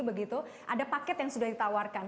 begitu ada paket yang sudah ditawarkan